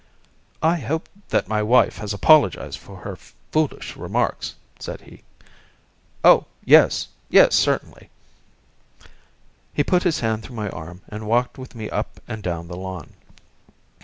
"I hope that my wife has apologized for her foolish remarks," said he. "Oh, yes yes, certainly!" He put his hand through my arm and walked with me up and down the lawn.